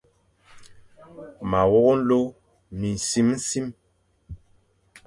Ma wok nlô minsim.